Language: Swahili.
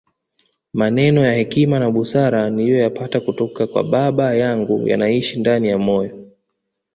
Maneno ya hekima na busara niliyoyapata kutoka kwa baba yangu yanaishi ndani ya moyo